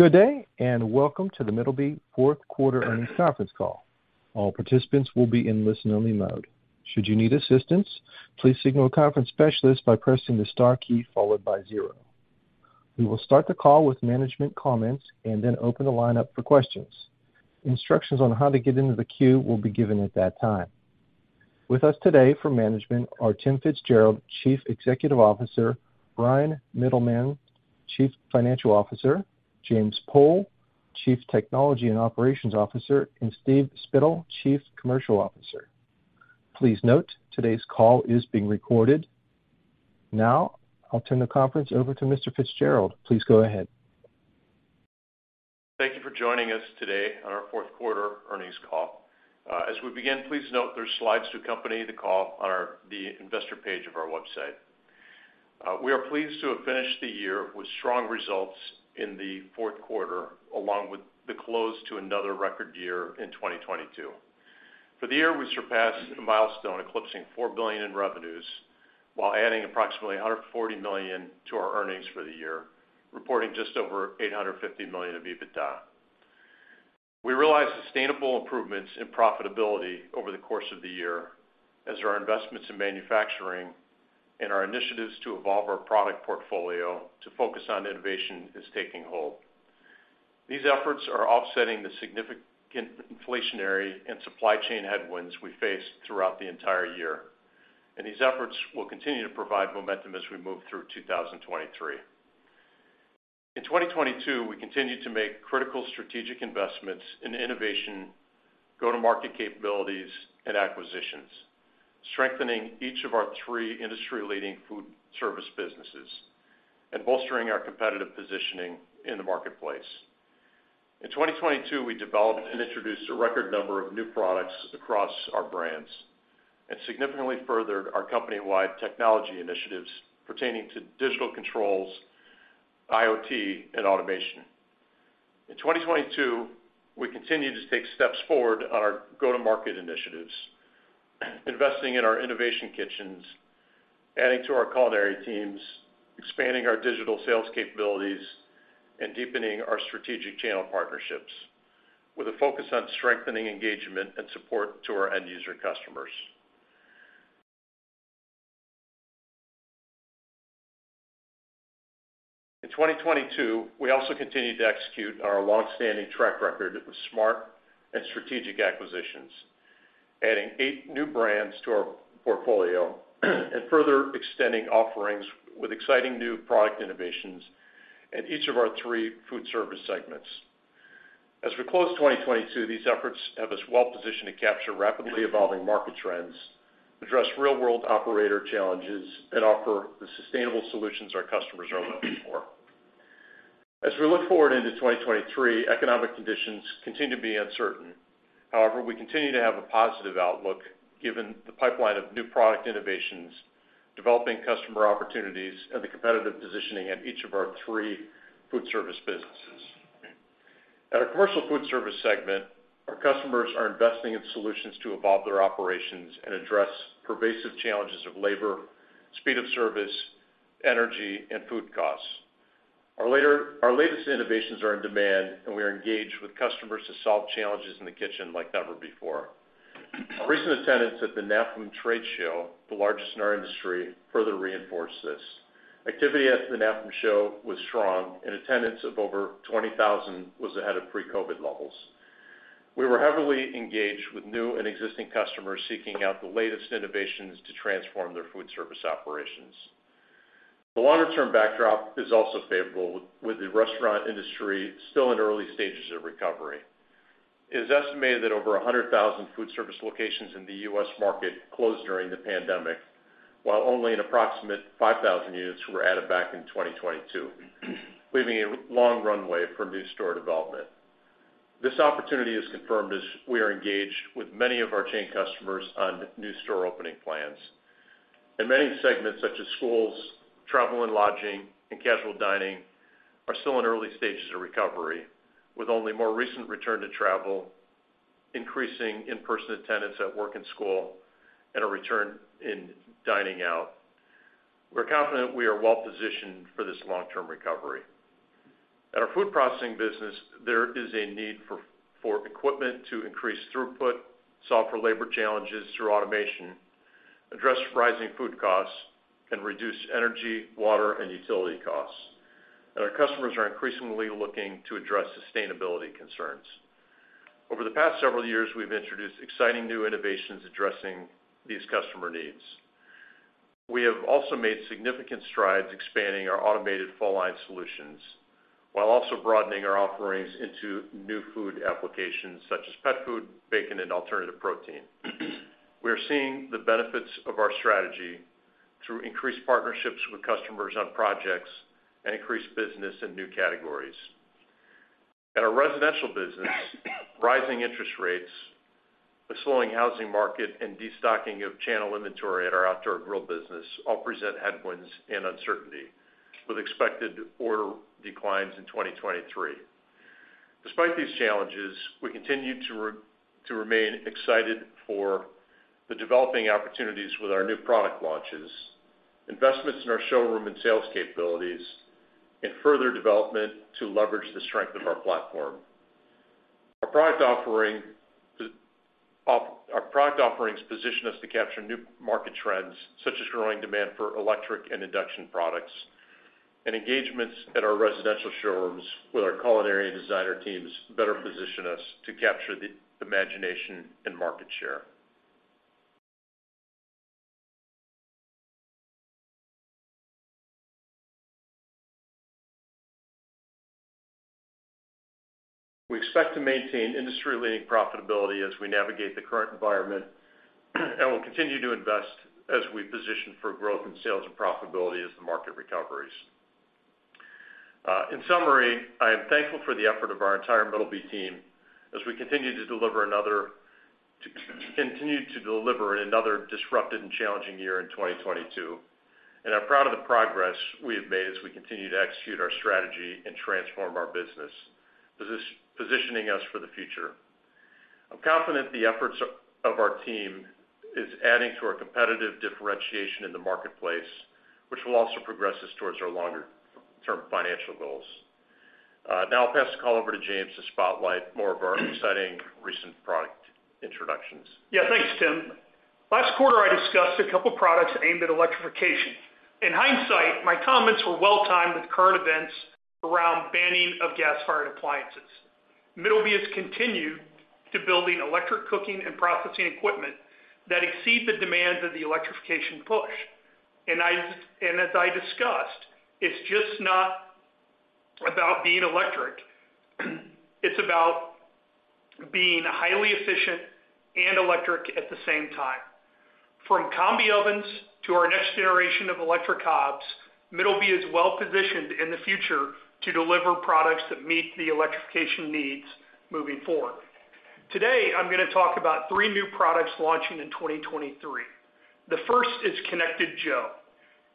Good day, welcome to The Middleby fourth quarter earnings conference call. All participants will be in listen-only mode. Should you need assistance, please signal a conference specialist by pressing the star key followed by zero. We will start the call with management comments and then open the line up for questions. Instructions on how to get into the queue will be given at that time. With us today for management are Tim FitzGerald, Chief Executive Officer, Bryan Mittelman, Chief Financial Officer, James Pool, Chief Technology and Operations Officer, and Steve Spittle, Chief Commercial Officer. Please note today's call is being recorded. Now, I'll turn the conference over to Mr. FitzGerald. Please go ahead. Thank you for joining us today on our 4th quarter earnings call. As we begin, please note there's slides to accompany the call on the investor page of our website. We are pleased to have finished the year with strong results in the 4th quarter, along with the close to another record year in 2022. For the year, we surpassed a milestone eclipsing $4 billion in revenues while adding approximately $140 million to our earnings for the year, reporting just over $850 million of EBITDA. We realized sustainable improvements in profitability over the course of the year as our investments in manufacturing and our initiatives to evolve our product portfolio to focus on innovation is taking hold. These efforts are offsetting the significant inflationary and supply chain headwinds we faced throughout the entire year, and these efforts will continue to provide momentum as we move through 2023. In 2022, we continued to make critical strategic investments in innovation, go-to-market capabilities, and acquisitions, strengthening each of our three industry-leading food service businesses and bolstering our competitive positioning in the marketplace. In 2022, we developed and introduced a record number of new products across our brands and significantly furthered our company-wide technology initiatives pertaining to digital controls, IoT, and automation. In 2022, we continued to take steps forward on our go-to-market initiatives, investing in our innovation kitchens, adding to our culinary teams, expanding our digital sales capabilities, and deepening our strategic channel partnerships with a focus on strengthening engagement and support to our end user customers. In 2022, we also continued to execute our long-standing track record with smart and strategic acquisitions, adding eight new brands to our portfolio and further extending offerings with exciting new product innovations in each of our three foodservice segments. As we close 2022, these efforts have us well positioned to capture rapidly evolving market trends, address real-world operator challenges, and offer the sustainable solutions our customers are looking for. As we look forward into 2023, economic conditions continue to be uncertain. However, we continue to have a positive outlook given the pipeline of new product innovations, developing customer opportunities, and the competitive positioning at each of our three foodservice businesses. At our commercial foodservice segment, our customers are investing in solutions to evolve their operations and address pervasive challenges of labor, speed of service, energy, and food costs. Our latest innovations are in demand. We are engaged with customers to solve challenges in the kitchen like never before. Recent attendance at the NAFEM Trade Show, the largest in our industry, further reinforced this. Activity at the NAFEM show was strong. Attendance of over 20,000 was ahead of pre-COVID levels. We were heavily engaged with new and existing customers seeking out the latest innovations to transform their foodservice operations. The longer-term backdrop is also favorable with the restaurant industry still in early stages of recovery. It is estimated that over 100,000 foodservice locations in the U.S. market closed during the pandemic, while only an approximate 5,000 units were added back in 2022, leaving a long runway for new store development. This opportunity is confirmed as we are engaged with many of our chain customers on new store opening plans. In many segments such as schools, travel and lodging, and casual dining are still in early stages of recovery, with only more recent return to travel, increasing in-person attendance at work and school, and a return in dining out. We're confident we are well positioned for this long-term recovery. At our food processing business, there is a need for equipment to increase throughput, solve for labor challenges through automation, address rising food costs, and reduce energy, water, and utility costs. Our customers are increasingly looking to address sustainability concerns. Over the past several years, we've introduced exciting new innovations addressing these customer needs. We have also made significant strides expanding our automated fall line solutions, while also broadening our offerings into new food applications such as pet food, bacon, and alternative protein. We are seeing the benefits of our strategy through increased partnerships with customers on projects and increased business in new categories. At our residential business, rising interest rates, a slowing housing market, and destocking of channel inventory at our outdoor grill business all present headwinds and uncertainty with expected order declines in 2023. Despite these challenges, we continue to remain excited for the developing opportunities with our new product launches, investments in our showroom and sales capabilities, and further development to leverage the strength of our platform. Our product offerings position us to capture new market trends, such as growing demand for electric and induction products, and engagements at our residential showrooms with our culinary and designer teams better position us to capture the imagination and market share. We expect to maintain industry-leading profitability as we navigate the current environment, and we'll continue to invest as we position for growth in sales and profitability as the market recoveries. In summary, I am thankful for the effort of our entire Middleby team as we continue to deliver another disrupted and challenging year in 2022, and I'm proud of the progress we have made as we continue to execute our strategy and transform our business, positioning us for the future. I'm confident the efforts of our team is adding to our competitive differentiation in the marketplace, which will also progress us towards our longer-term financial goals. Now I'll pass the call over to James to spotlight more of our exciting recent product introductions. Yeah. Thanks, Tim. Last quarter, I discussed a couple products aimed at electrification. In hindsight, my comments were well-timed with current events around banning of gas-fired appliances. Middleby has continued to building electric cooking and processing equipment that exceed the demands of the electrification push. As I discussed, it's just not about being electric. It's about being highly efficient and electric at the same time. From combi ovens to our next generation of electric hobs, Middleby is well positioned in the future to deliver products that meet the electrification needs moving forward. Today, I'm gonna talk about three new products launching in 2023. The first is Konnected Joe.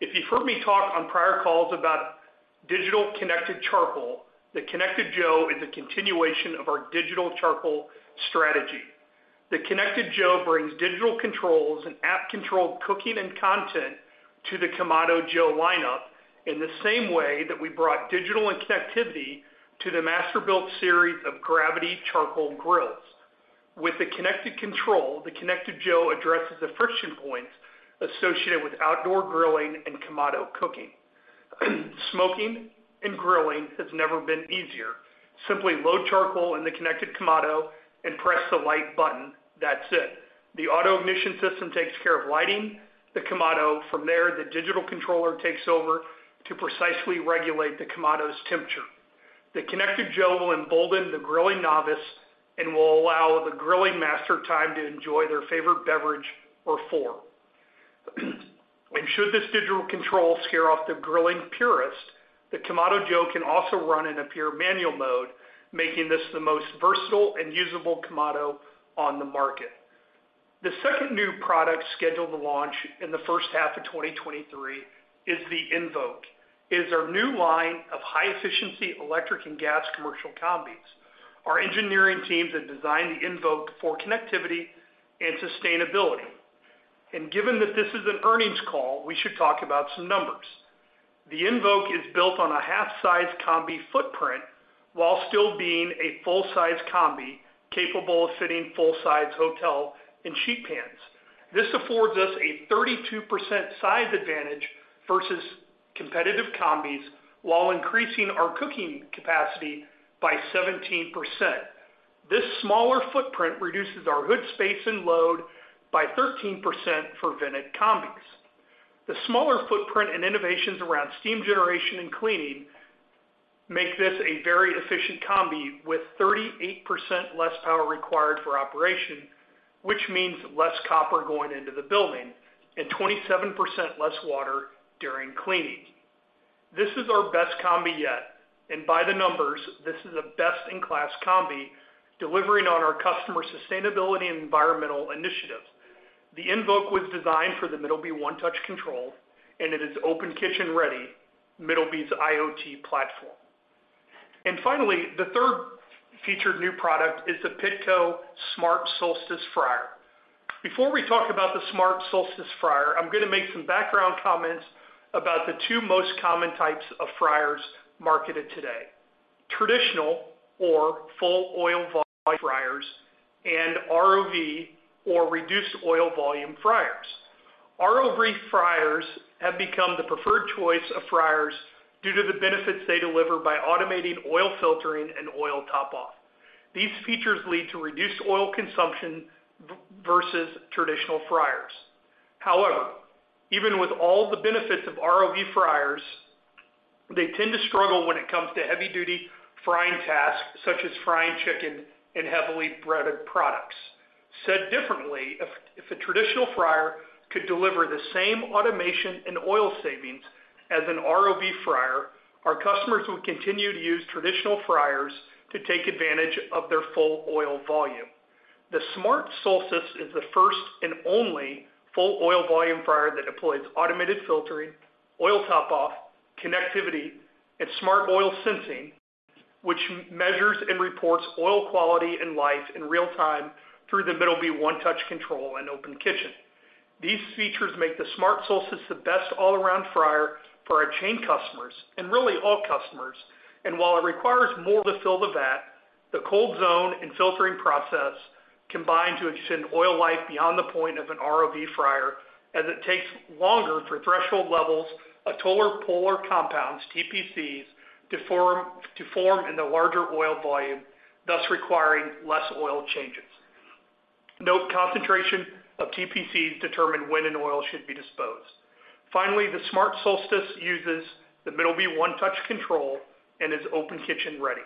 If you've heard me talk on prior calls about digital connected charcoal, the Konnected Joe is a continuation of our digital charcoal strategy. The Konnected Joe brings digital controls and app-controlled cooking and content to the Kamado Joe lineup in the same way that we brought digital and connectivity to the Masterbuilt Series of gravity charcoal grills. With the connected control, the Konnected Joe addresses the friction points associated with outdoor grilling and Kamado cooking. Smoking and grilling has never been easier. Simply load charcoal in the connected Kamado and press the Light button. That's it. The auto ignition system takes care of lighting the Kamado. From there, the digital controller takes over to precisely regulate the Kamado's temperature. The Konnected Joe will embolden the grilling novice and will allow the grilling master time to enjoy their favorite beverage or four. Should this digital control scare off the grilling purist, the Kamado Joe can also run in a pure manual mode, making this the most versatile and usable Kamado on the market. The second new product scheduled to launch in the first half of 2023 is the Invoke. It is our new line of high-efficiency electric and gas commercial combis. Our engineering teams have designed the Invoke for connectivity and sustainability. Given that this is an earnings call, we should talk about some numbers. The Invoke is built on a half size combi footprint while still being a full-size combi capable of fitting full-size hotel and sheet pans. This affords us a 32% size advantage versus competitive combis while increasing our cooking capacity by 17%. This smaller footprint reduces our hood space and load by 13% for vented combis. The smaller footprint and innovations around steam generation and cleaning make this a very efficient combi with 38% less power required for operation, which means less copper going into the building, and 27% less water during cleaning. This is our best combi yet, and by the numbers, this is a best-in-class combi delivering on our customer sustainability and environmental initiatives. The Invoke was designed for the Middleby OneTouch control, and it is Open Kitchen ready, Middleby's IoT platform. Finally, the third featured new product is the Pitco Smart Solstice fryer. Before we talk about the Smart Solstice fryer, I'm gonna make some background comments about the two most common types of fryers marketed today, traditional or full oil fryers and ROV or reduced oil volume fryers. ROV fryers have become the preferred choice of fryers due to the benefits they deliver by automating oil filtering and oil top off. These features lead to reduced oil consumption versus traditional fryers. Even with all the benefits of ROV fryers, they tend to struggle when it comes to heavy-duty frying tasks, such as frying chicken and heavily breaded products. Said differently, if a traditional fryer could deliver the same automation and oil savings as an ROV fryer, our customers would continue to use traditional fryers to take advantage of their full oil volume. The Smart Solstice is the first and only full oil volume fryer that deploys automated filtering, oil top off, connectivity, and smart oil sensing, which measures and reports oil quality and life in real time through the Middleby OneTouch control and Open Kitchen. These features make the Smart Solstice the best all-around fryer for our chain customers, and really all customers. While it requires more to fill the vat, the cold zone and filtering process combine to extend oil life beyond the point of an ROV fryer, as it takes longer for threshold levels of total polar compounds, TPCs, to form in the larger oil volume, thus requiring less oil changes. Note concentration of TPCs determine when an oil should be disposed. Finally, the Smart Solstice uses the Middleby OneTouch control and is Open Kitchen ready.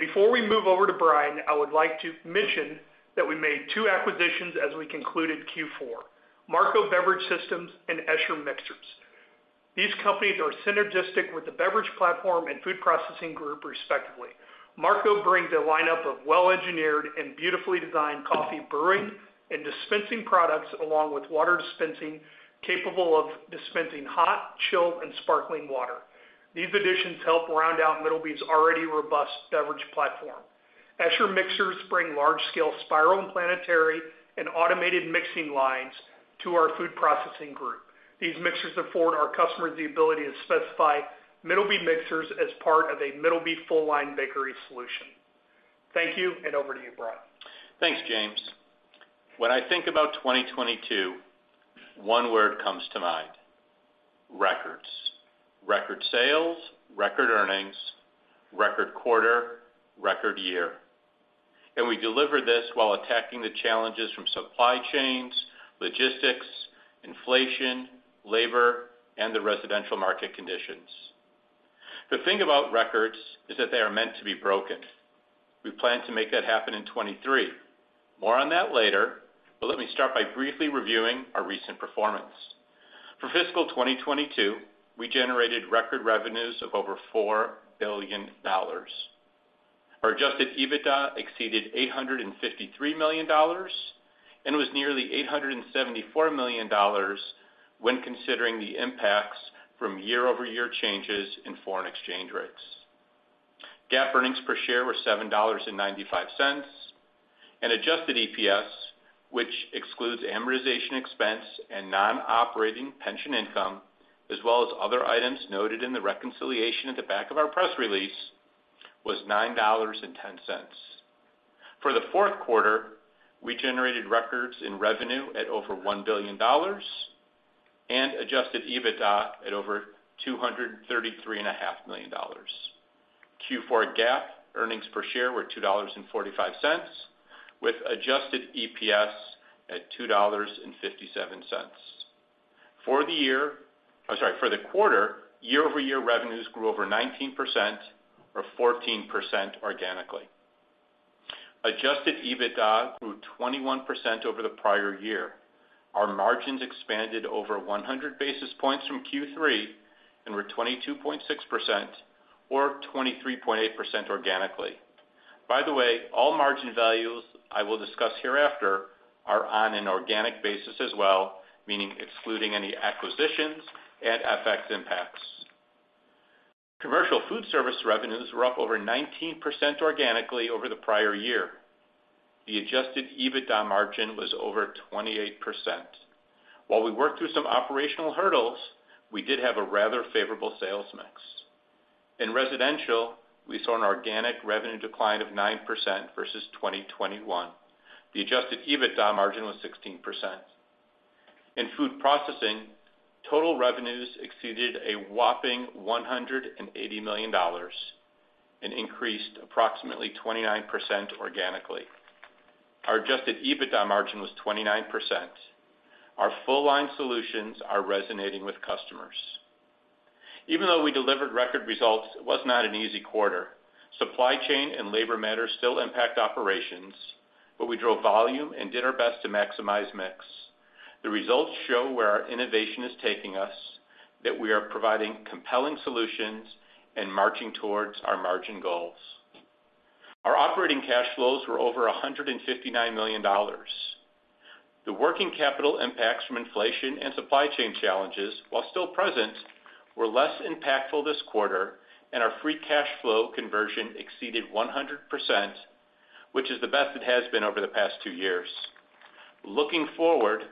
Before we move over to Bryan, I would like to mention that we made two acquisitions as we concluded Q4, Marco Beverage Systems and Escher Mixers. These companies are synergistic with the beverage platform and food processing group respectively. Marco bring a lineup of well-engineered and beautifully designed coffee brewing and dispensing products, along with water dispensing, capable of dispensing hot, chilled, and sparkling water. These additions help round out Middleby's already robust beverage platform. Escher Mixers bring large-scale spiral and planetary and automated mixing lines to our food processing group. These mixers afford our customers the ability to specify Middleby mixers as part of a Middleby full-line bakery solution. Thank you, over to you, Bryan. Thanks, James. When I think about 2022, one word comes to mind, records. Record sales, record earnings, record quarter, record year. We delivered this while attacking the challenges from supply chains, logistics, inflation, labor, and the residential market conditions. The thing about records is that they are meant to be broken. We plan to make that happen in 2023. More on that later but let me start by briefly reviewing our recent performance. For fiscal 2022, we generated record revenues of over $4 billion. Our adjusted EBITDA exceeded $853 million and was nearly $874 million when considering the impacts from year-over-year changes in foreign exchange rates. GAAP earnings per share were $7.95, and adjusted EPS, which excludes amortization expense and non-operating pension income, as well as other items noted in the reconciliation at the back of our press release, was $9.10. For the fourth quarter, we generated records in revenue at over $1 billion and adjusted EBITDA at over $233.5 million. Q4 GAAP earnings per share were $2.45, with adjusted EPS at $2.57. For the quarter, year-over-year revenues grew over 19% or 14% organically. Adjusted EBITDA grew 21% over the prior year. Our margins expanded over 100 basis points from Q3 and were 22.6% or 23.8% organically. By the way, all margin values I will discuss hereafter are on an organic basis as well, meaning excluding any acquisitions and FX impacts. Commercial foodservice revenues were up over 19% organically over the prior year. The adjusted EBITDA margin was over 28%. While we worked through some operational hurdles, we did have a rather favorable sales mix. In residential, we saw an organic revenue decline of 9% versus 2021. The adjusted EBITDA margin was 16%. In food processing, total revenues exceeded a whopping $180 million and increased approximately 29% organically. Our adjusted EBITDA margin was 29%. Our full-line solutions are resonating with customers. We delivered record results, it was not an easy quarter. Supply chain and labor matters still impact operations, but we drove volume and did our best to maximize mix. The results show where our innovation is taking us, that we are providing compelling solutions and marching towards our margin goals. Our operating cash flows were over $159 million. The working capital impacts from inflation and supply chain challenges, while still present, were less impactful this quarter. Our free cash flow conversion exceeded 100%, which is the best it has been over the past two years. Looking forward,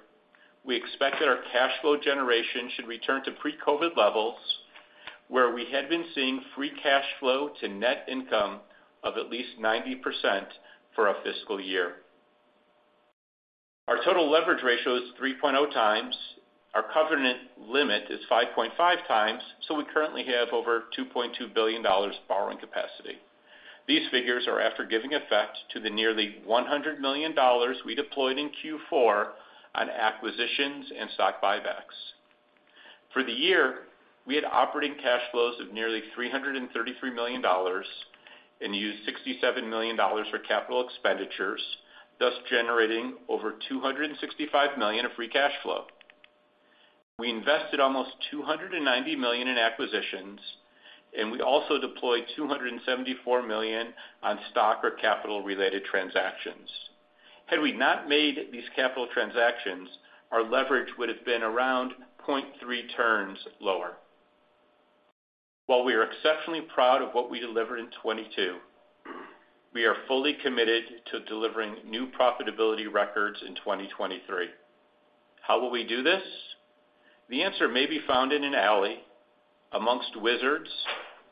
we expect that our cash flow generation should return to pre-COVID levels, where we had been seeing free cash flow to net income of at least 90% for a fiscal year. Our total leverage ratio is 3.0x. Our covenant limit is 5.5x. We currently have over $2.2 billion borrowing capacity. These figures are after giving effect to the nearly $100 million we deployed in Q4 on acquisitions and stock buybacks. For the year, we had operating cash flows of nearly $333 million and used $67 million for capital expenditures, thus generating over $265 million of free cash flow. We invested almost $290 million in acquisitions. We also deployed $274 million on stock or capital related transactions. Had we not made these capital transactions, our leverage would have been around 0.3 turns lower. While we are exceptionally proud of what we delivered in 2022, we are fully committed to delivering new profitability records in 2023. How will we do this? The answer may be found in an alley amongst wizards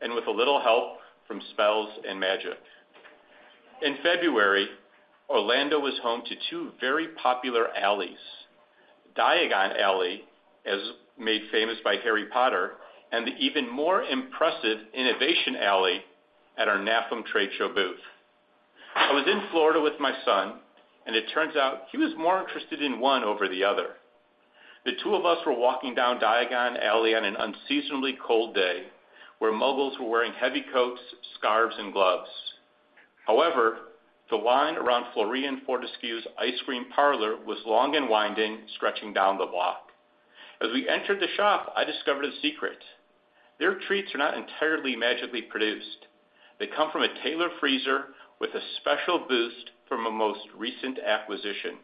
and with a little help from spells and magic. In February, Orlando was home to two very popular alleys. Diagon Alley, as made famous by Harry Potter, and the even more impressive Innovation Alley at our NAFEM trade show booth. I was in Florida with my son, it turns out he was more interested in one over the other. The two of us were walking down Diagon Alley on an unseasonably cold day where muggles were wearing heavy coats, scarves and gloves. However, the line around Florean Fortescue's Ice Cream Parlor was long and winding, stretching down the block. As we entered the shop, I discovered a secret. Their treats are not entirely magically produced. They come from a tailored freezer with a special boost from a most recent acquisition.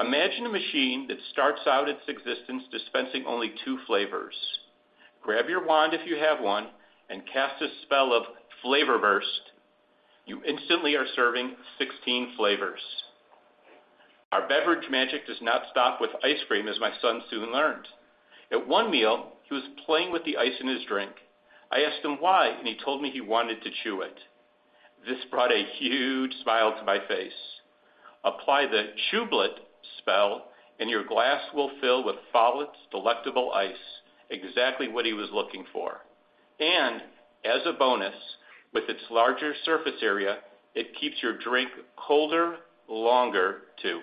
Imagine a machine that starts out its existence dispensing only two flavors. Grab your wand if you have one, and cast a spell of Flavor Burst. You instantly are serving 16 flavors. Our beverage magic does not stop with ice cream, as my son soon learned. At 1 meal, he was playing with the ice in his drink. I asked him why, and he told me he wanted to chew it. This brought a huge smile to my face. Apply the Chewblet spell and your glass will fill with Follett's delectable ice. Exactly what he was looking for. As a bonus, with its larger surface area, it keeps your drink colder longer too.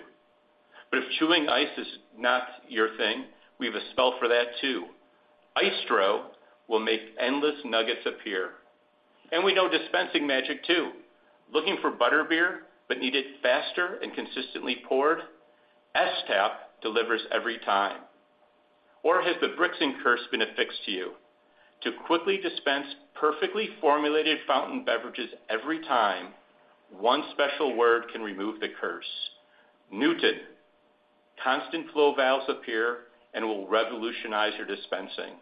If chewing ice is not your thing, we have a spell for that too. Maestro Plus will make endless nuggets appear. We know dispensing magic too. Looking for Butterbeer, but need it faster and consistently poured. S-tap delivers every time. Has the Brixen curse been affixed to you. To quickly dispense perfectly formulated fountain beverages every time, one special word can remove the curse. Newton, constant flow valves appear and will revolutionize your dispensing.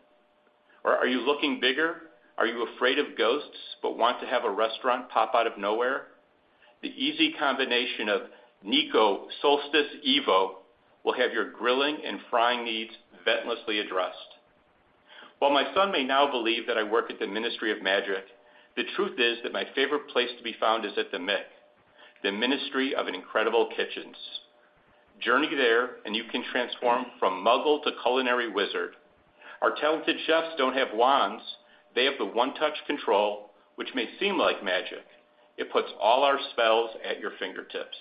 Are you looking bigger? Are you afraid of ghosts but want to have a restaurant pop out of nowhere? The easy combination of Nieco Solstice Evo will have your grilling and frying needs ventlessly addressed. While my son may now believe that I work at the Ministry of Magic, the truth is that my favorite place to be found is at the MIK, the Ministry of Incredible Kitchens. Journey there and you can transform from muggle to culinary wizard. Our talented chefs don't have wands. They have the One Touch control which may seem like magic. It puts all our spells at your fingertips.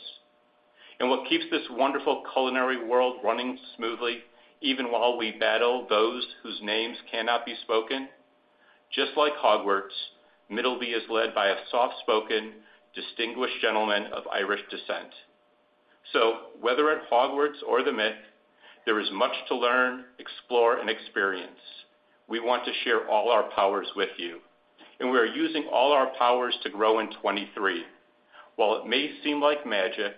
What keeps this wonderful culinary world running smoothly, even while we battle those whose names cannot be spoken? Just like Hogwarts, Middleby is led by a soft-spoken, distinguished gentleman of Irish descent. Whether at Hogwarts or the MIK, there is much to learn, explore, and experience. We want to share all our powers with you, and we are using all our powers to grow in 23. While it may seem like magic,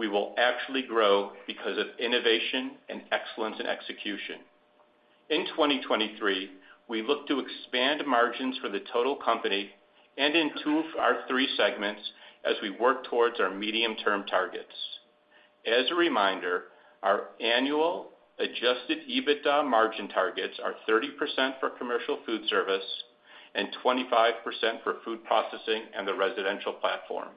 we will actually grow because of innovation and excellence in execution. In 2023, we look to expand margins for the total company and in 2 of our 3 segments as we work towards our medium term targets. As a reminder, our annual adjusted EBITDA margin targets are 30% for commercial food service and 25% for food processing and the residential platform.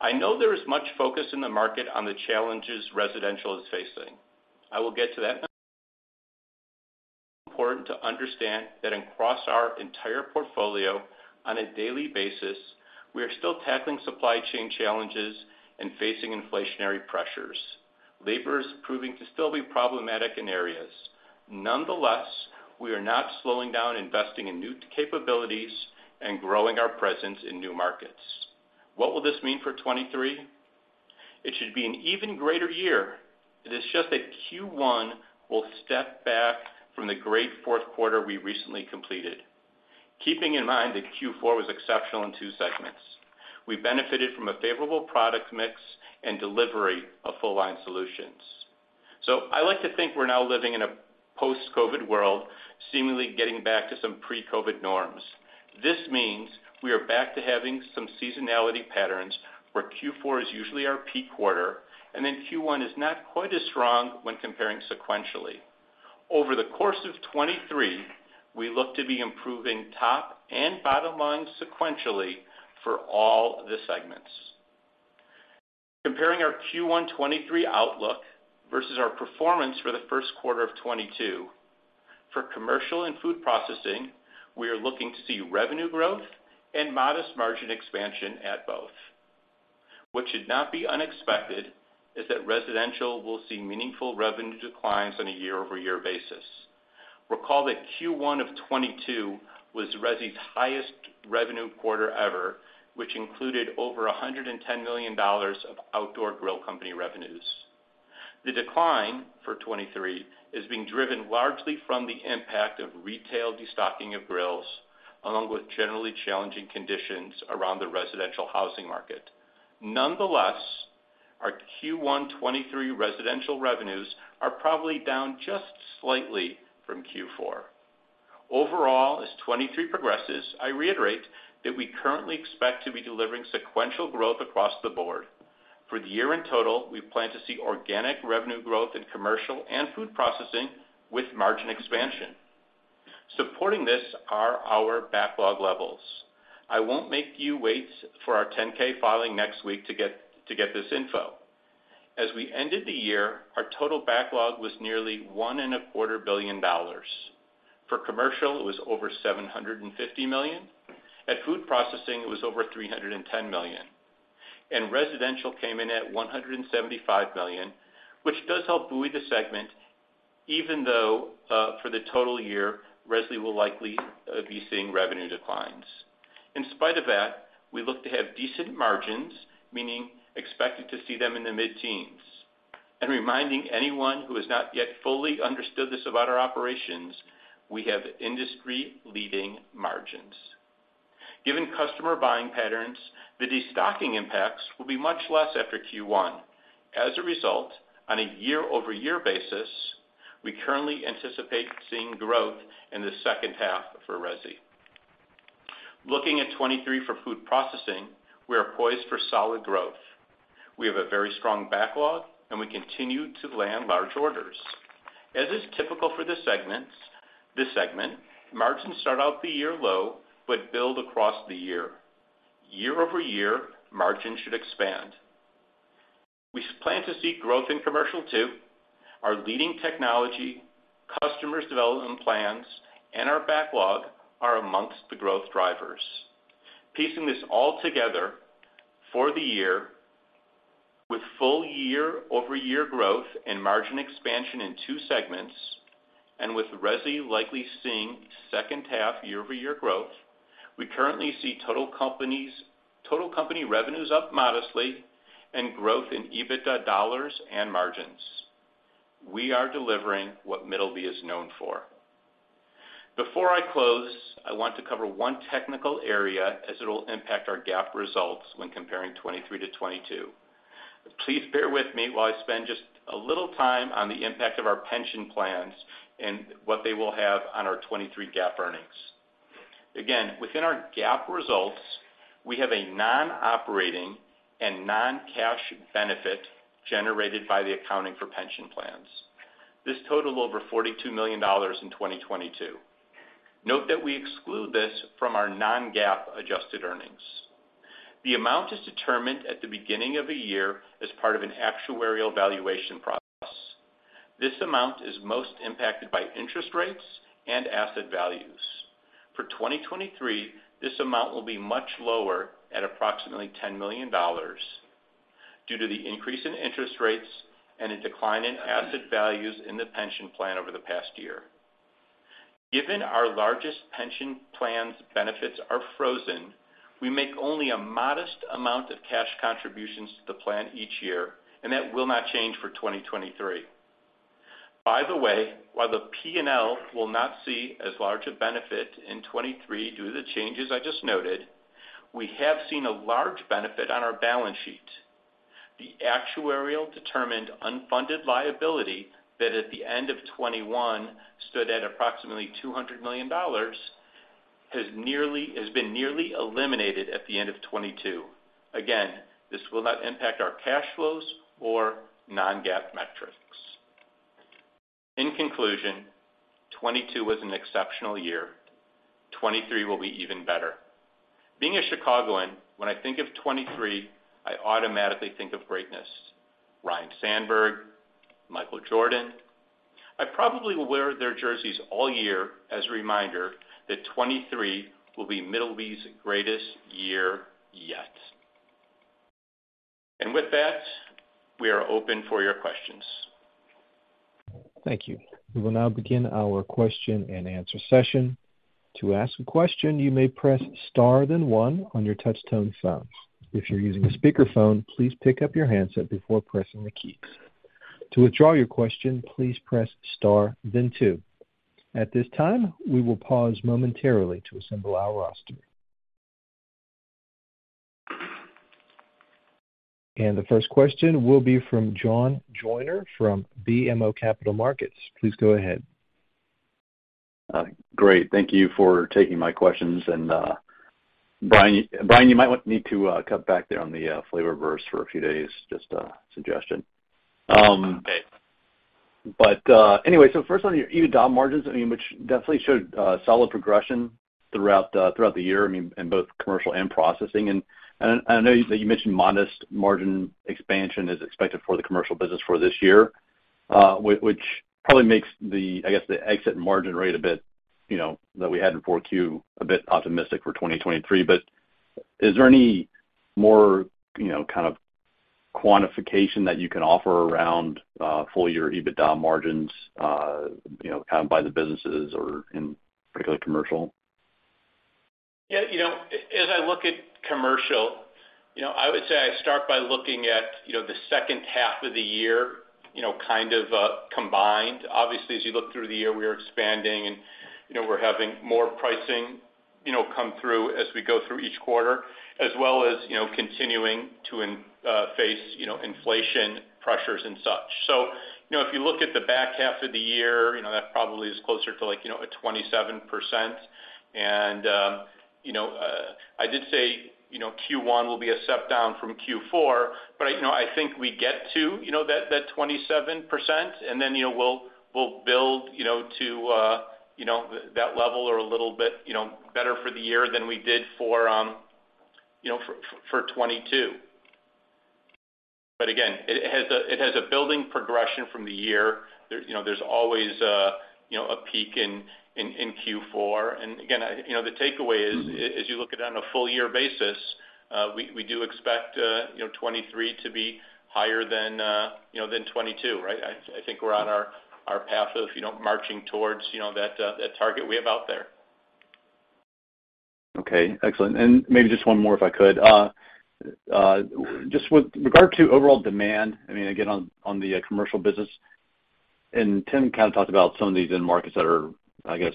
I know there is much focus in the market on the challenges residential is facing. I will get to that. Important to understand that across our entire portfolio on a daily basis, we are still tackling supply chain challenges and facing inflationary pressures. Labor is proving to still be problematic in areas. Nonetheless, we are not slowing down, investing in new capabilities and growing our presence in new markets. What will this mean for 23? It should be an even greater year. It is just that Q1 will step back from the great fourth quarter we recently completed. Keeping in mind that Q4 was exceptional in 2 segments. We benefited from a favorable product mix and delivery of full line solutions. I like to think we're now living in a post-COVID world, seemingly getting back to some pre-COVID norms. This means we are back to having some seasonality patterns where Q4 is usually our peak quarter and then Q1 is not quite as strong when comparing sequentially. Over the course of 2023, we look to be improving top and bottom lines sequentially for all the segments. Comparing our Q1 2023 outlook versus our performance for the first quarter of 2022. For commercial and food processing, we are looking to see revenue growth and modest margin expansion at both. What should not be unexpected is that residential will see meaningful revenue declines on a year-over-year basis. Recall that Q1 2022 was Resi's highest revenue quarter ever, which included over $110 million of outdoor grill company revenues. The decline for 2023 is being driven largely from the impact of retail destocking of grills, along with generally challenging conditions around the residential housing market. Nonetheless, our Q1 2023 residential revenues are probably down just slightly from Q4. Overall, as 2023 progresses, I reiterate that we currently expect to be delivering sequential growth across the board. For the year in total, we plan to see organic revenue growth in commercial and food processing with margin expansion. Supporting this are our backlog levels. I won't make you wait for our 10-K filing next week to get this info. As we ended the year, our total backlog was nearly one and a quarter billion dollars. For commercial, it was over $750 million. At food processing, it was over $310 million. Residential came in at $175 million, which does help buoy the segment, even though for the total year, Resi will likely be seeing revenue declines. In spite of that, we look to have decent margins, meaning expected to see them in the mid-teens. Reminding anyone who has not yet fully understood this about our operations, we have industry-leading margins. Given customer buying patterns, the destocking impacts will be much less after Q1. As a result, on a year-over-year basis, we currently anticipate seeing growth in the second half for Resi. Looking at 23 for food processing, we are poised for solid growth. We have a very strong backlog. We continue to land large orders. As is typical for this segment, margins start out the year low but build across the year. Year-over-year, margins should expand. We plan to seek growth in Commercial too. Our leading technology, customers' development plans, and our backlog are amongst the growth drivers. Piecing this all together, for the year, with full year-over-year growth and margin expansion in two segments, with Resi likely seeing second half year-over-year growth, we currently see total company revenues up modestly and growth in EBITDA dollars and margins. We are delivering what Middleby is known for. Before I close, I want to cover one technical area as it will impact our GAAP results when comparing 2023 to 2022. Please bear with me while I spend just a little time on the impact of our pension plans and what they will have on our 2023 GAAP earnings. Within our GAAP results, we have a non-operating and non-cash benefit generated by the accounting for pension plans. This totaled over $42 million in 2022. Note that we exclude this from our non-GAAP adjusted earnings. The amount is determined at the beginning of a year as part of an actuarial valuation process. This amount is most impacted by interest rates and asset values. For 2023, this amount will be much lower at approximately $10 million due to the increase in interest rates and a decline in asset values in the pension plan over the past year. Given our largest pension plan's benefits are frozen, we make only a modest amount of cash contributions to the plan each year, and that will not change for 2023. While the P&L will not see as large a benefit in 2023 due to the changes I just noted, we have seen a large benefit on our balance sheet. The actuarial determined unfunded liability that at the end of 2021 stood at approximately $200 million has been nearly eliminated at the end of 2022. This will not impact our cash flows or non-GAAP metrics. In conclusion, 2022 was an exceptional year. 2023 will be even better. Being a Chicagoan, when I think of 2023, I automatically think of greatness. Ryne Sandberg, Michael Jordan. I probably will wear their jerseys all year as a reminder that 2023 will be Middleby's greatest year yet. With that, we are open for your questions. Thank you. We will now begin our question-and-answer session. To ask a question, you may press star then one on your touchtone phone. If you're using a speakerphone, please pick up your handset before pressing the keys. To withdraw your question, please press star then two. At this time, we will pause momentarily to assemble our roster. The first question will be from John Joyner from BMO Capital Markets. Please go ahead. Great. Thank you for taking my questions. Bryan, you might need to cut back there on the Flavor Burst for a few days. Just a suggestion. First on your EBITDA margins, which definitely showed solid progression throughout the year, in both commercial and processing. I know that you mentioned modest margin expansion is expected for the commercial business for this year, which probably makes the exit margin rate a bit that we had in 4Q a bit optimistic for 2023. Is there any more kind of quantification that you can offer around full year EBITDA margins, kind of by the businesses or in particular commercial. you know, as I look at commercial, you know, I would say I start by looking at, you know, the second half of the year, you know, kind of combined. Obviously, as you look through the year, we are expanding and, you know, we're having more pricing, you know, come through as we go through each quarter, as well as, you know, continuing to face, you know, inflation pressures and such. you know, if you look at the back half of the year, you know, that probably is closer to, like, you know, a 27%. I did say Q1 will be a step down from Q4, but I think we get to that 27%, and then we'll build to that level or a little bit better for the year than we did for 2022. Again, it has a building progression from the year. There's always a peak in Q4. Again, the takeaway is. Mm-hmm. As you look at it on a full year basis, we do expect, you know, 2023 to be higher than, you know, than 2022, right? I think we're on our path of, you know, marching towards, you know, that target we have out there. Okay, excellent. Maybe just one more, if I could. Just with regard to overall demand, I mean, again, on the commercial business, and Tim kind of talked about some of these end markets that are, I guess,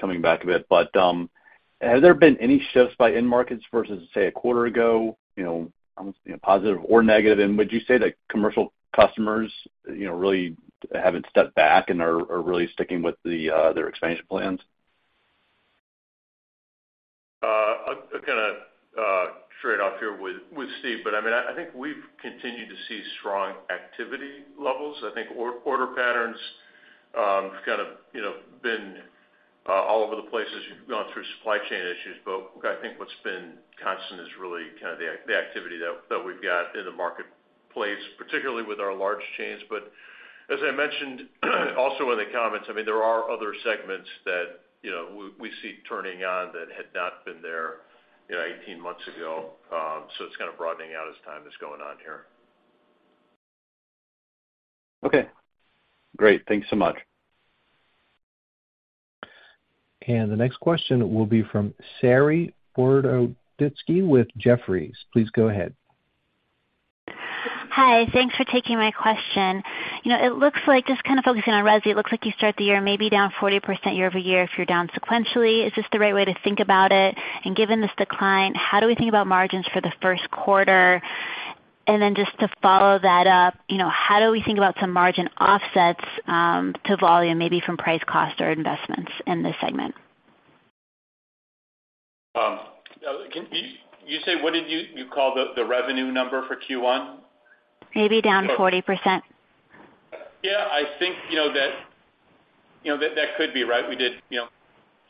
coming back a bit. Have there been any shifts by end markets versus, say, a quarter ago, you know, almost, you know, positive or negative? Would you say that commercial customers, you know, really haven't stepped back and are really sticking with their expansion plans? I'll kind of trade off here with Steve. I mean, I think we've continued to see strong activity levels. I think order patterns have kind of, you know, been all over the place as you've gone through supply chain issues. I think what's been constant is really kind of the activity that we've got in the marketplace, particularly with our large chains. As I mentioned, also in the comments, I mean, there are other segments that, you know, we see turning on that had not been there, you know, 18 months ago. It's kind of broadening out as time is going on here. Okay, great. Thanks so much. The next question will be from Saree Boroditsky with Jefferies. Please go ahead. Hi. Thanks for taking my question. You know, it looks like, just kind of focusing on resi, it looks like you start the year maybe down 40% year-over-year if you're down sequentially. Is this the right way to think about it? Given this decline, how do we think about margins for the first quarter? Then just to follow that up, you know, how do we think about some margin offsets to volume, maybe from price cost or investments in this segment? You say, what did you call the revenue number for Q1? Maybe down 40%. Yeah, I think, you know, that, you know, that could be right. We did, you know,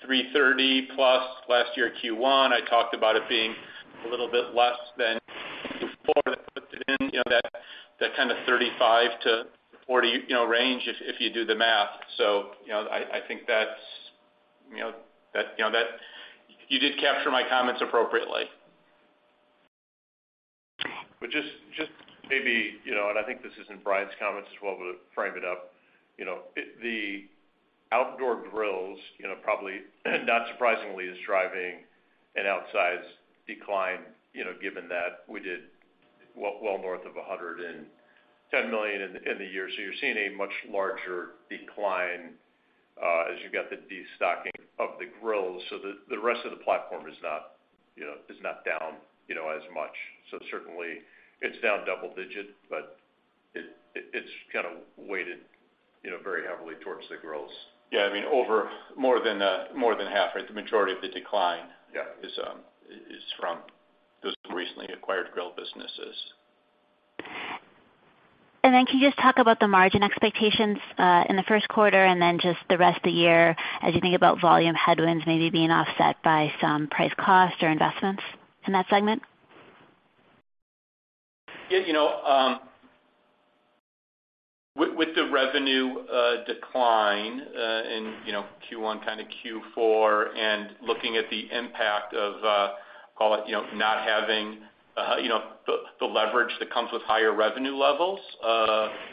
$330+ last year, Q1. I talked about it being a little bit less than before. You know that kind of $35-$40, you know, range if you do the math. You know, I think that's, you know, that, you know, that. You did capture my comments appropriately. Just maybe, you know, and I think this is in Bryan's comments as well, we'll frame it up. You know, the outdoor grills, you know, probably, not surprisingly, is driving an outsized decline, you know, given that we did north of $110 million in the year. You're seeing a much larger decline as you've got the destocking of the grills. The rest of the platform is not, you know, is not down, you know, as much. Certainly, it's down double digit, but it's kind of weighted, you know, very heavily towards the grills. Yeah, I mean, over more than, more than half, right? The majority of the decline- Yeah. is from those recently acquired grill businesses. Can you just talk about the margin expectations in the first quarter, and then just the rest of the year as you think about volume headwinds maybe being offset by some price cost or investments in that segment? Yeah, you know, with the revenue decline in, you know, Q1, kind of Q4, and looking at the impact of, call it, you know, not having, you know, the leverage that comes with higher revenue levels,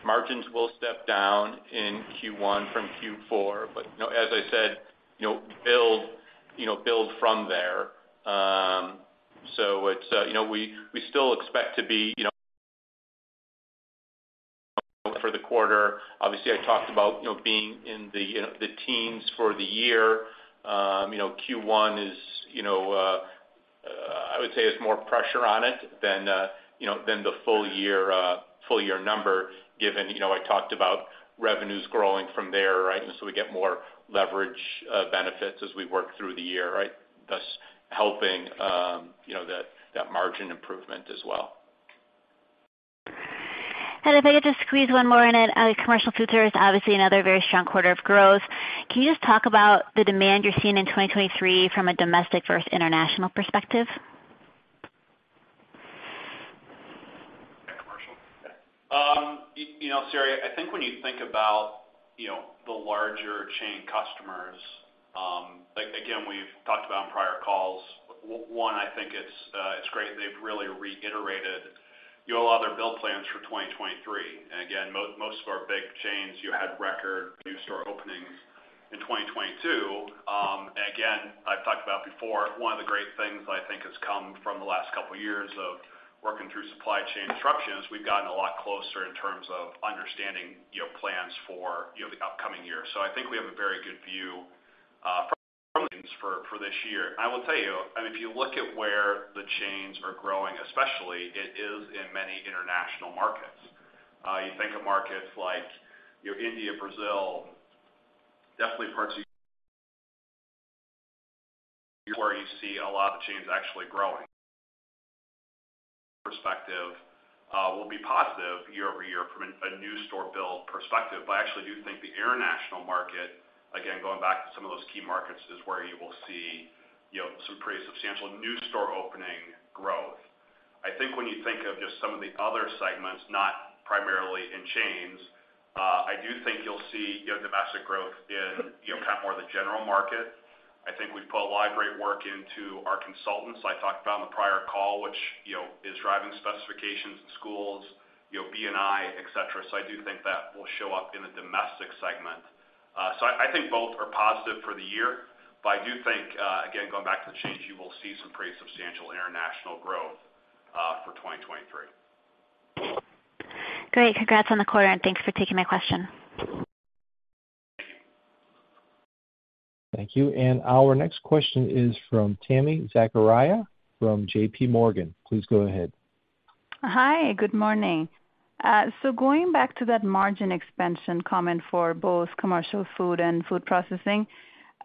margins will step down in Q1 from Q4. You know, as I said, build from there. It's, you know, we still expect to be, you know, for the quarter. Obviously, I talked about, you know, being in the, you know, the teens for the year. You know, Q1 is, you know, I would say there's more pressure on it than, you know, than the full year number, given, you know, I talked about revenues growing from there, right? We get more leverage benefits as we work through the year, right? Thus helping, you know, that margin improvement as well. If I could just squeeze one more in then. Commercial food service, obviously another very strong quarter of growth. Can you just talk about the demand you're seeing in 2023 from a domestic versus international perspective? You, you know, Saree, I think when you think about, you know, the larger chain customers, like again, we've talked about on prior calls. One, I think it's great. They've really reiterated, you know, a lot of their build plans for 2023. Again, most of our big chains, you had record new store openings in 2022. Again, I've talked about before, one of the great things that I think has come from the last couple of years of working through supply chain disruptions, we've gotten a lot closer in terms of understanding, you know, plans for, you know, the upcoming year. I think we have a very good view for this year. I will tell you, I mean, if you look at where the chains are growing especially, it is in many international markets. You think of markets like, you know, India, Brazil, definitely parts of where you see a lot of the chains actually growing. Perspective will be positive year-over-year from a new store build perspective. I actually do think the international market, again, going back to some of those key markets, is where you will see, you know, some pretty substantial new store opening growth. I think when you think of just some of the other segments, not primarily in chains, I do think you'll see, you know, domestic growth in, you know, kind of more the general market. I think we've put a lot of great work into our consultants. I talked about on the prior call, which, you know, is driving specifications in schools, you know, B&I, et cetera. I do think that will show up in the domestic segment. I think both are positive for the year, but I do think, again, going back to the change, you will see some pretty substantial international growth, for 2023. Great. Congrats on the quarter. Thanks for taking my question. Thank you. Our next question is from Tami Zakaria from J.P. Morgan. Please go ahead. Hi. Good morning. Going back to that margin expansion comment for both commercial food and food processing.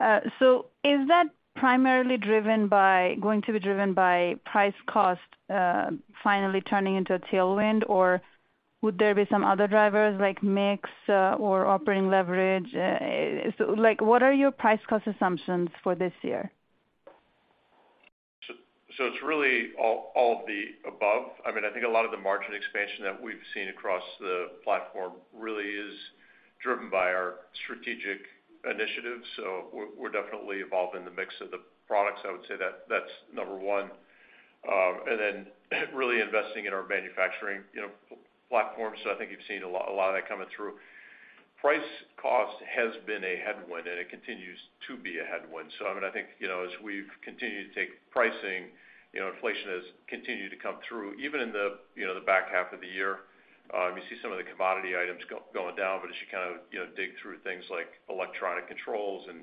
Is that primarily going to be driven by price cost finally turning into a tailwind? Or would there be some other drivers like mix or operating leverage? Like, what are your price cost assumptions for this year? It's really all of the above. I mean, I think a lot of the margin expansion that we've seen across the platform really is driven by our strategic initiatives. We're definitely involved in the mix of the products. I would say that's number 1. Really investing in our manufacturing, you know, platforms. I think you've seen a lot of that coming through. Price cost has been a headwind, and it continues to be a headwind. I mean, I think, you know, as we've continued to take pricing, you know, inflation has continued to come through even in the, you know, the back half of the year. You see some of the commodity items going down, but as you kind of, you know, dig through things like electronic controls and,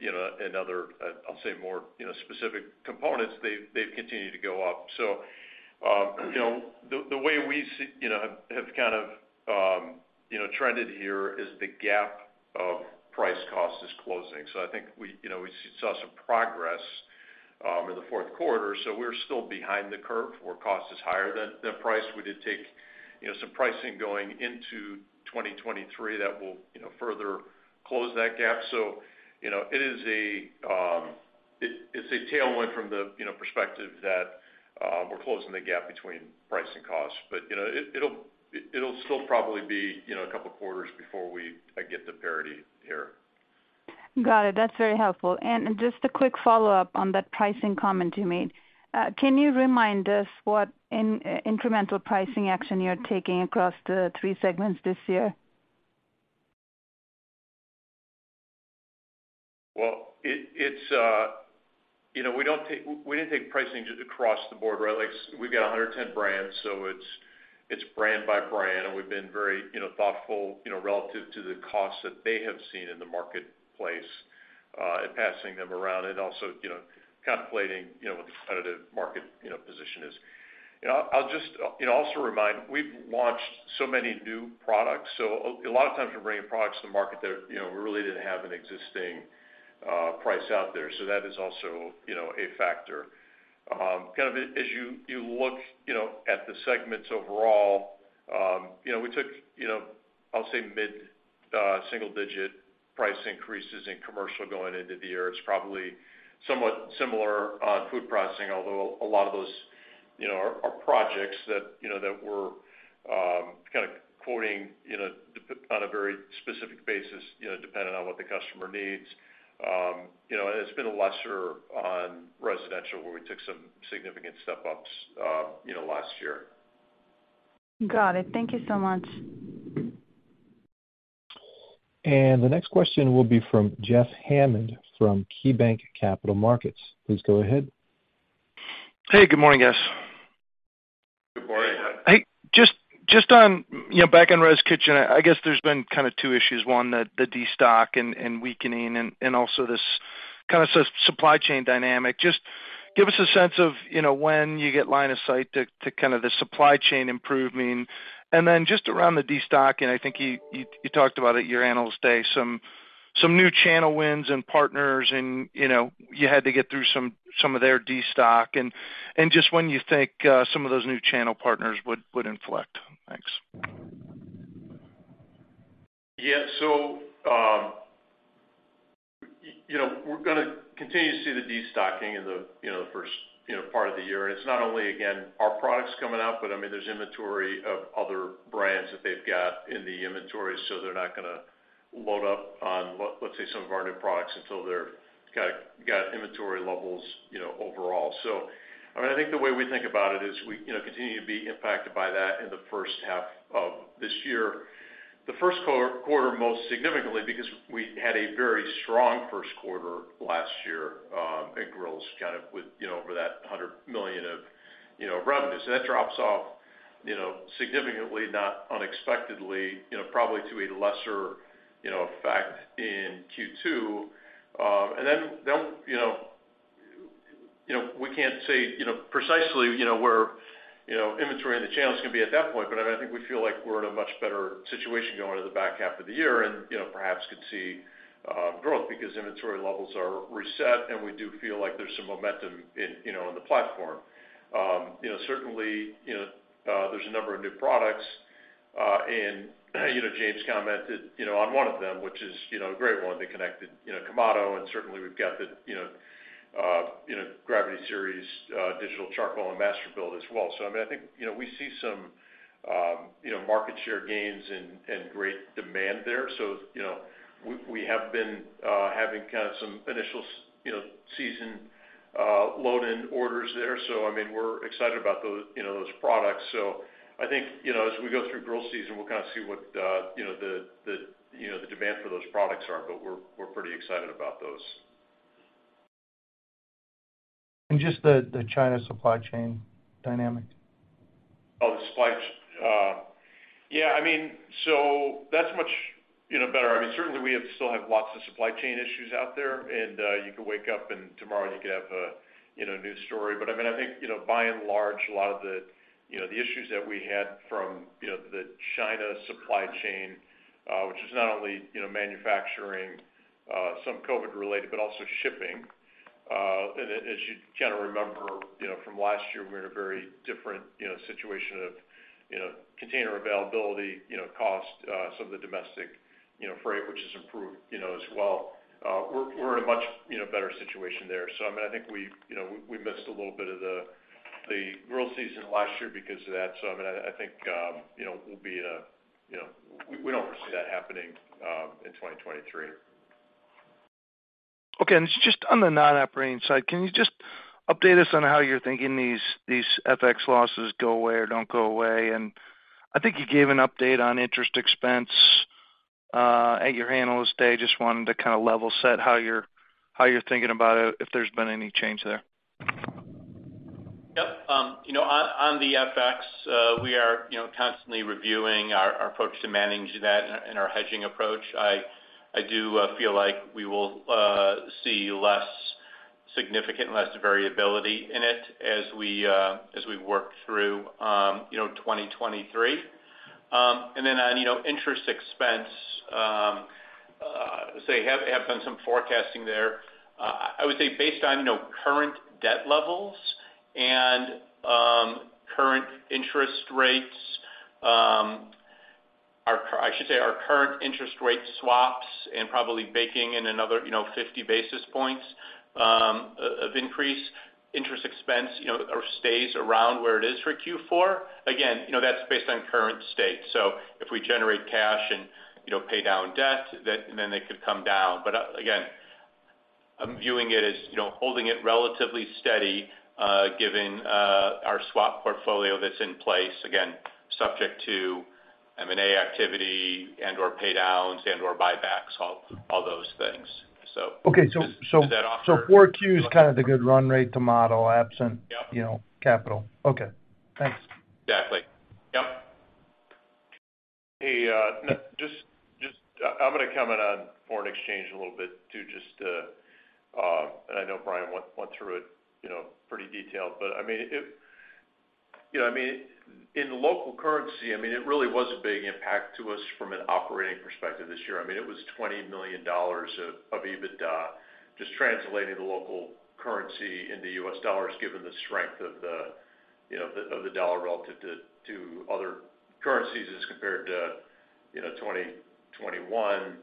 you know, and other, I'll say more, you know, specific components, they've continued to go up. The way we see, you know, have kind of, you know, trended here is the gap of price cost is closing. I think we, you know, we saw some progress in the fourth quarter. We're still behind the curve where cost is higher than price. We did take, you know, some pricing going into 2023 that will, you know, further close that gap. It is a, you know, it's a tailwind from the, you know, perspective that we're closing the gap between price and cost. You know, it'll still probably be, you know, a couple of quarters before we get to parity here. Got it. That's very helpful. Just a quick follow-up on that pricing comment you made. Can you remind us what incremental pricing action you're taking across the three segments this year? Well, it's, you know, we didn't take pricing just across the board, right. Like, we've got 110 brands, so it's brand by brand, and we've been very, you know, thoughtful, you know, relative to the costs that they have seen in the marketplace, and passing them around and also, you know, contemplating, you know, what the competitive market, you know, position is. You know, I'll just, you know, also remind, we've launched so many new products. A lot of times we're bringing products to the market that, you know, we really didn't have an existing price out there. That is also, you know, a factor. kind of as you look, you know, at the segments overall, you know, we took, you know, I'll say mid-single digit price increases in commercial going into the year. It's probably somewhat similar on food processing, although a lot of those, you know, are projects that, you know, that we're kind of quoting on a very specific basis, you know, depending on what the customer needs. You know, and it's been a lesser on residential where we took some significant step-ups, you know, last year. Got it. Thank you so much. The next question will be from Jeff Hammond from KeyBanc Capital Markets. Please go ahead. Hey, good morning, guys. Good morning. Hey, just on, you know, back on res kitchen, I guess there's been kind of two issues. One, the destock and weakening and also this kind of supply chain dynamic. Just give us a sense of, you know, when you get line of sight to kind of the supply chain improving. Just around the destock, and I think you talked about at your Analyst Day, some new channel wins and partners and, you know, you had to get through some of their destock. Just when you think some of those new channel partners would inflect. Thanks. Yeah. We're gonna continue to see the destocking in the, you know, the first part of the year. It's not only, again, our products coming out, but I mean, there's inventory of other brands that they've got in the inventory, so they're not gonna load up on, let's say, some of our new products until they're kinda got inventory levels, you know, overall. I mean, I think the way we think about it is we, you know, continue to be impacted by that in the first half of this year. The first quarter most significantly because we had a very strong first quarter last year in grills, kind of with, you know, over that $100 million of, you know, revenues. That drops off, you know, significantly, not unexpectedly, you know, probably to a lesser, you know, effect in Q2. Then, you know, we can't say, you know, precisely, you know, where, you know, inventory in the channels can be at that point. I mean, I think we feel like we're in a much better situation going into the back half of the year and, you know, perhaps could see growth because inventory levels are reset, and we do feel like there's some momentum in, you know, in the platform. You know, certainly, you know, there's a number of new products, and, you know, James commented, you know, on one of them, which is, you know, a great one, the connected, you know, Kamado, and certainly we've got the, you know, Gravity Series, digital charcoal and Masterbuilt as well. I mean, I think, you know, we see some, you know, market share gains and great demand there. You know, we have been having kind of some initial, you know, season, load in orders there. I mean, we're excited about those, you know, those products. I think, you know, as we go through grill season, we'll kind of see what, you know, the, you know, the demand for those products are, but we're pretty excited about those. Just the China supply chain dynamics. Yeah, I mean, that's much, you know, better. I mean, certainly we still have lots of supply chain issues out there, and you could wake up and tomorrow you could have a, you know, a new story. I mean, I think, you know, by and large, a lot of the, you know, the issues that we had from, you know, the China supply chain, which is not only, you know, manufacturing, some COVID related, but also shipping. As you kind of remember, you know, from last year, we're in a very different, you know, situation of, you know, container availability, you know, cost, some of the domestic, you know, freight, which has improved, you know, as well. We're in a much, you know, better situation there. I mean, I think we, you know, we missed a little bit of the grill season last year because of that. We don't foresee that happening in 2023. Okay. Just on the non-operating side, can you just update us on how you're thinking these FX losses go away or don't go away? I think you gave an update on interest expense at your Analyst Day. Just wanted to kind of level set how you're thinking about it, if there's been any change there. You know, on the FX, we are, you know, constantly reviewing our approach to managing that and our hedging approach. I do feel like we will see less significant and less variability in it as we as we work through, you know, 2023. On, you know, interest expense, I'd say have done some forecasting there. I would say based on, you know, current debt levels and current interest rates, I should say our current interest rate swaps and probably baking in another, you know, 50-basis points of increase interest expense, you know, or stays around where it is for Q4. You know, that's based on current state. If we generate cash and, you know, pay down debt, then they could come down. Again, I'm viewing it as, you know, holding it relatively steady, given our swap portfolio that's in place, again, subject to M&A activity and/or pay downs and/or buybacks, all those things. Okay. Does that offer-? 4Q is kind of the good run rate to model absent- Yep. You know, capital. Okay, thanks. Exactly. Yep. Hey, just I'm gonna comment on foreign exchange a little bit to just, I know Bryan went through it, you know, pretty detailed. I mean, You know, I mean, in local currency, I mean, it really was a big impact to us from an operating perspective this year. I mean, it was $20 million of EBITDA just translating the local currency into U.S. dollars given the strength of the, you know, the dollar relative to other currencies as compared to, you know, 2021.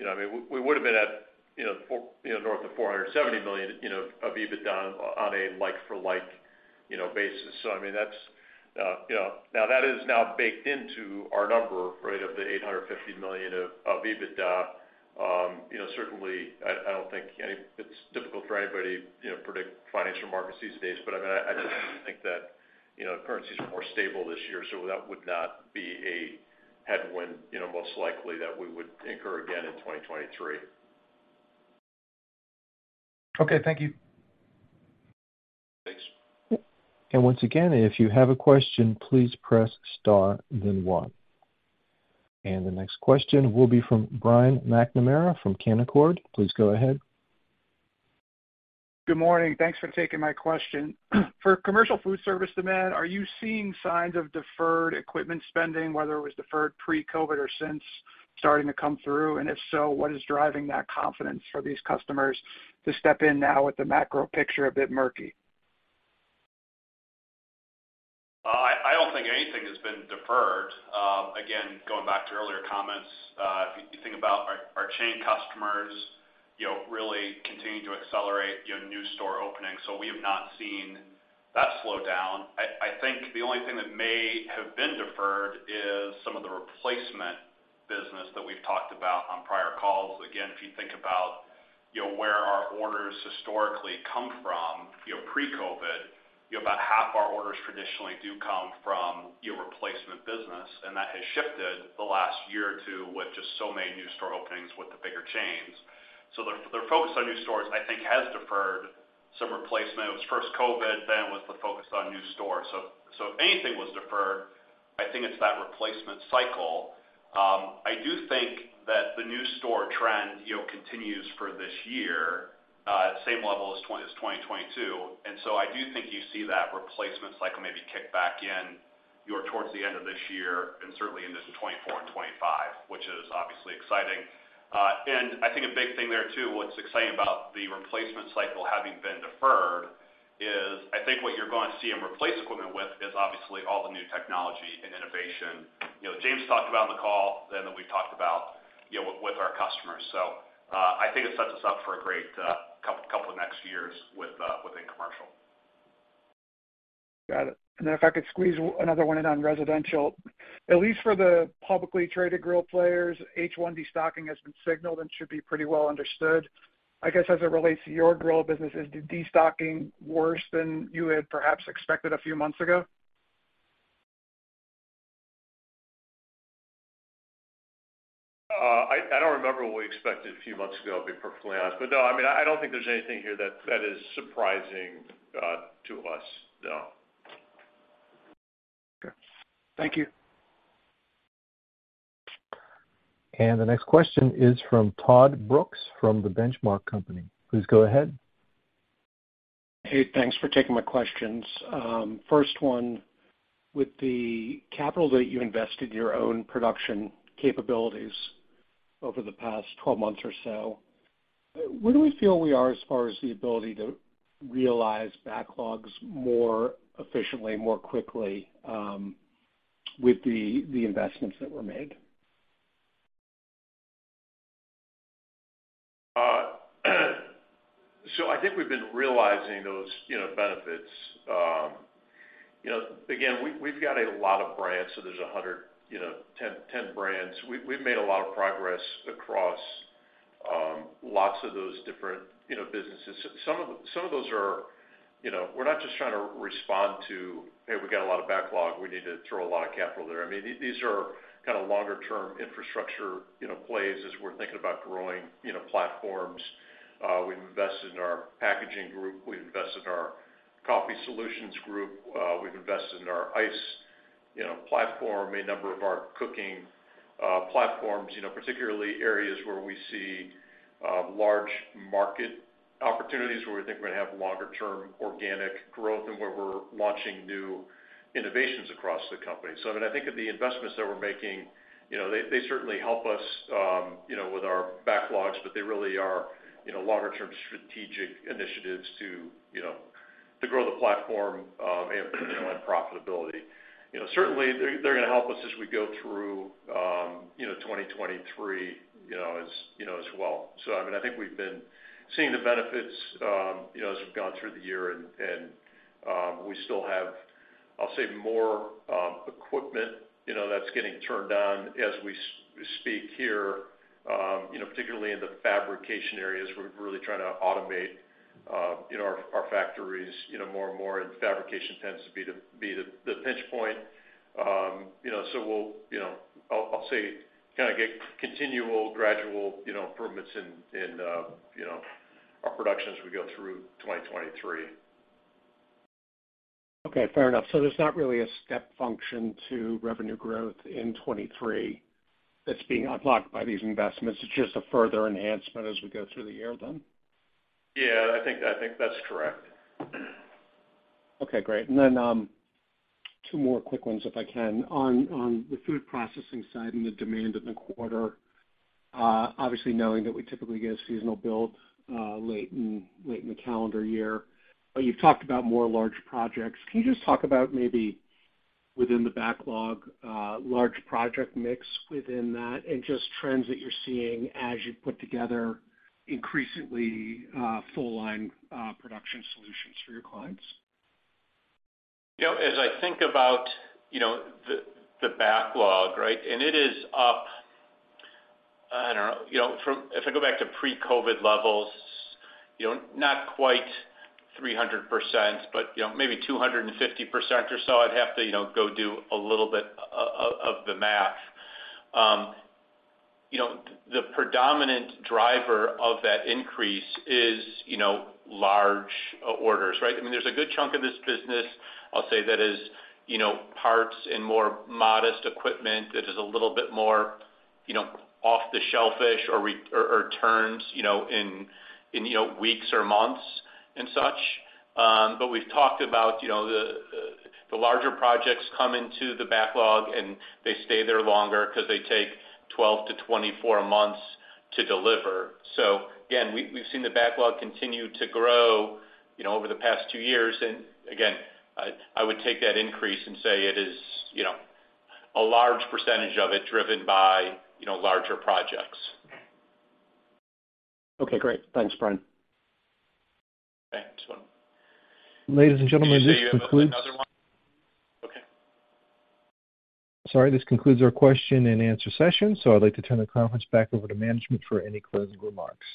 You know, I mean, we would have been at, north of $470 million, you know, of EBITDA on a like-for-like, you know, basis. I mean, that's, you know. Now that is now baked into our number, right, of the $850 million of EBITDA. You know, certainly I don't think any-- it's difficult for anybody, you know, to predict financial markets these days. I mean, I just think that, you know, currencies are more stable this year, so that would not be a headwind, you know, most likely that we would incur again in 2023. Okay, thank you. Thanks. Once again, if you have a question, please press star then one. The next question will be from Brian McNamara from Canaccord. Please go ahead. Good morning. Thanks for taking my question. For commercial foodservice demand, are you seeing signs of deferred equipment spending, whether it was deferred pre-COVID or since starting to come through? If so, what is driving that confidence for these customers to step in now with the macro picture a bit murky? I don't think anything has been deferred. Going back to earlier comments, if you think about our chain customers, you know, really continuing to accelerate, you know, new store openings, so we have not seen that slow down. I think the only thing that may have been deferred is some of the replacement business that we've talked about on prior calls. Again, if you think about, you know, where our orders historically come from, you know, pre-COVID, you know, about half our orders traditionally do come from your replacement business, and that has shifted the last year or two with just so many new store openings with the bigger chains. Their focus on new stores, I think, has deferred some replacement. First COVID, then it was the focus on new stores. If anything was deferred, I think it's that replacement cycle. I do think that the new store trend, you know, continues for this year, at the same level as 2022. I do think you see that replacement cycle maybe kick back in, you know, towards the end of this year and certainly into 2024 and 2025, which is obviously exciting. I think a big thing there too, what's exciting about the replacement cycle having been deferred is I think what you're gonna see them replace equipment with is obviously all the new technology and innovation, you know, James talked about on the call then that we've talked about, you know, with our customers. I think it sets us up for a great couple of next years with within commercial. Got it. Then if I could squeeze another one in on residential. At least for the publicly traded grill players, H1 destocking has been signaled and should be pretty well understood. I guess, as it relates to your grill business, is the destocking worse than you had perhaps expected a few months ago? I don't remember what we expected a few months ago, to be perfectly honest. No, I mean, I don't think there's anything here that is surprising to us. No. Okay. Thank you. The next question is from Todd Brooks from The Benchmark Company. Please go ahead. Hey, thanks for taking my questions. First one, with the capital that you invested in your own production capabilities over the past 12 months or so, where do we feel we are as far as the ability to realize backlogs more efficiently, more quickly, with the investments that were made? I think we've been realizing those, you know, benefits. You know, again, we've got a lot of brands, there's 100, you know, 10 brands. We've made a lot of progress across lots of those different, you know, businesses. Some of those are, you know, we're not just trying to respond to, "Hey, we got a lot of backlogs. We need to throw a lot of capital there." I mean, these are kind of longer-term infrastructure, you know, plays as we're thinking about growing, you know, platforms. We've invested in our packaging group, we've invested in our coffee solutions group, we've invested in our ice, you know, platform, a number of our cooking platforms, you know, particularly areas where we see large market opportunities where we think we're gonna have longer term organic growth and where we're launching new innovations across the company. I mean, I think of the investments that we're making, you know, they certainly help us, you know, with our backlogs, but they really are, you know, longer term strategic initiatives to, you know, to grow the platform and profitability. You know, certainly they're gonna help us as we go through, you know, 2023, you know, as, you know, as well. I mean, I think we've been seeing the benefits, you know, as we've gone through the year and we still have, I'll say, more equipment, you know, that's getting turned on as we speak here, you know, particularly in the fabrication areas where we're really trying to automate, you know, our factories, you know, more and more, and fabrication tends to be the pinch point. You know, so we'll, you know, I'll say kinda get continual gradual, you know, improvements in our production as we go through 2023. Okay. Fair enough. There's not really a step function to revenue growth in 2023 that's being unlocked by these investments. It's just a further enhancement as we go through the year then? Yeah, I think that's correct. Okay, great. Two more quick ones if I can. On the food processing side and the demand in the quarter, obviously knowing that we typically get a seasonal build, late in the calendar year, but you've talked about more large projects. Can you just talk about maybe within the backlog, large project mix within that and just trends that you're seeing as you put together increasingly, full line, production solutions for your clients? You know, as I think about, you know, the backlog, right? It is up, I don't know, you know, if I go back to pre-COVID levels, you know, not quite 300%, but, you know, maybe 250% or so. I'd have to, you know, go do a little bit of the math. You know, the predominant driver of that increase is, you know, large orders, right? I mean, there's a good chunk of this business, I'll say that is, you know, parts and more modest equipment that is a little bit more, you know, off-the-shelf-ish or turns, you know, in weeks or months and such. We've talked about, you know, the larger projects come into the backlog, and they stay there longer 'cause they take 12-24 months to deliver. Again, we've seen the backlog continue to grow, you know, over the past two years. Again, I would take that increase and say it is, you know, a large percentage of it driven by you know, larger projects. Okay, great. Thanks, Bryan. Thanks. Ladies and gentlemen, this concludes- Did you have another one? Okay. Sorry, this concludes our question-and-answer session. I'd like to turn the conference back over to management for any closing remarks.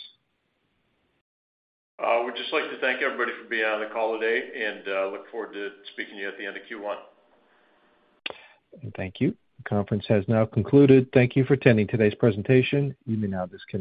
We'd just like to thank everybody for being on the call today and look forward to speaking to you at the end of Q1. Thank you. The conference has now concluded. Thank you for attending today's presentation. You may now disconnect.